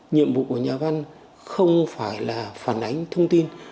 nhiệm vụ của nhà văn không phải là phản ánh thông tin